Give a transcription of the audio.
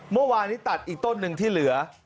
เมื่อวานนี้ตัดอีกต้นหนึ่งที่เหลือ